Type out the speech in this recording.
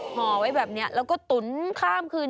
ห่อไว้แบบนี้แล้วก็ตุ๋นข้ามคืน